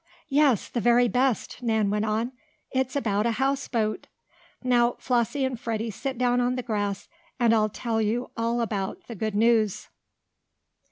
"Yes, the very best!" Nan went on. "It's about a houseboat! Now, Flossie and Freddie, sit down on the grass and I'll tell you all about the good news!"